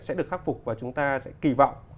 sẽ được khắc phục và chúng ta sẽ kỳ vọng